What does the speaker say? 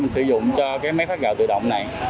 mình sử dụng cho cái máy phát gạo tự động này